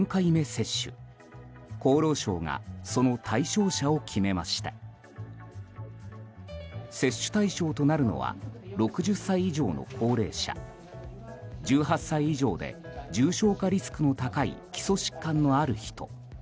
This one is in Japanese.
接種対象となるのは６０歳以上の高齢者１８歳以上で重症化リスクの高い基礎疾患のある人。